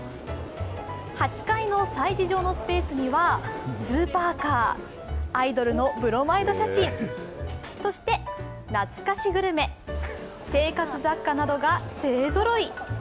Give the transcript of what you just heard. ８階の催事場のスペースにはスーパーカー、アイドルのブロマイド写真そして懐かしグルメ、生活雑貨などが勢ぞろい。